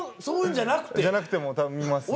じゃなくても見ますね。